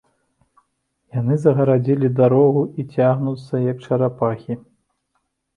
Яны загарадзілі дарогу і цягнуцца, як чарапахі.